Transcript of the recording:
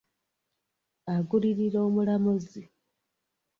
Agulirira omulamuzi.